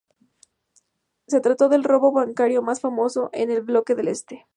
Se trató del robo bancario más famoso en el Bloque del Este.